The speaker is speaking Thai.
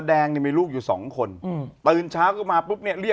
ว่าคุณยายโอเซีย